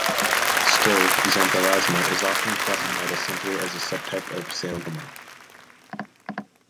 Still, "xanthelasma" is often classified simply as a subtype of "xanthoma".